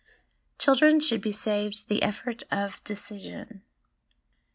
Children should be saved the Effort of Decision.